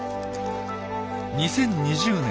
２０２０年